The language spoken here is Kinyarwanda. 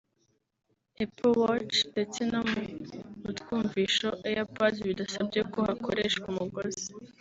Apple Watch ndetse no mu ’utwumvisho (Airpods) bidasabye ko hakoreshwa umugozi